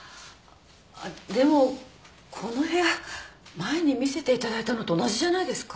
でもこの部屋前に見せていただいたのと同じじゃないですか？